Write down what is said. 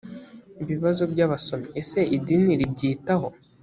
ibibazo by abasomyi ese idini ribyitaho?